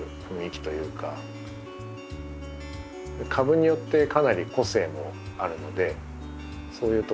株によってかなり個性もあるのでそういうところに惹かれてます。